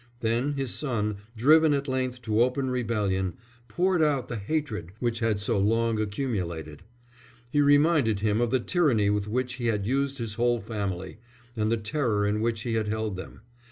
Then his son, driven at length to open rebellion, poured out the hatred which had so long accumulated. He reminded him of the tyranny with which he had used his whole family, and the terror in which he had held them.